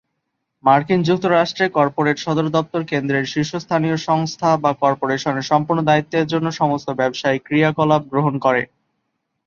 মার্কিন যুক্তরাষ্ট্রে, কর্পোরেট সদর দপ্তর কেন্দ্রের শীর্ষস্থানীয় সংস্থা বা কর্পোরেশনের সম্পূর্ণ দায়িত্বের জন্য সমস্ত ব্যবসায়িক ক্রিয়াকলাপ গ্রহণ করে।